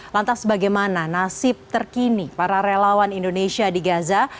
lantas bagaimana nasib terkini para relawan indonesia di gaza